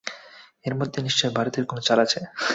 এর মধ্যে নিশ্চয় ভারতের কোনো চাল আছে।